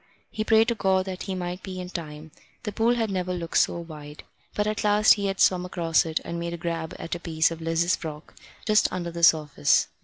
He prayed to God that he might be in time. The pool had never looked so wide. But at last he had swum across it and made a grab at a piece of Liz's frock just under the surface.